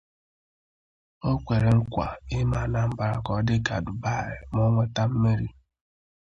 O kwere nkwà ime Anambra ka ọ dị ka Dubai ma o nweta mmeri